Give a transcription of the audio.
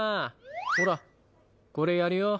ほらこれやるよ。